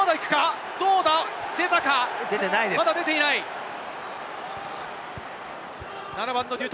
まだ出ていないです。